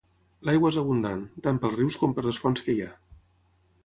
L'aigua és abundant, tant pels rius com per les fonts que hi ha.